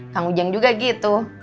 kang ujang juga gitu